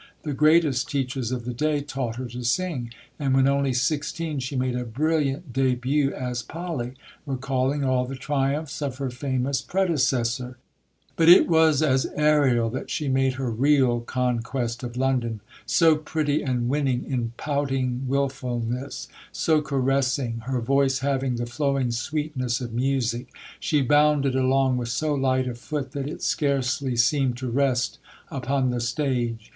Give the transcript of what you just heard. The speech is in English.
The greatest teachers of the day taught her to sing, and when only sixteen she made a brilliant début as Polly, recalling all the triumphs of her famous predecessor. But it was as Ariel that she made her real conquest of London. "So pretty and winning in pouting wilfulness, so caressing, her voice having the flowing sweetness of music, she bounded along with so light a foot that it scarcely seemed to rest upon the stage."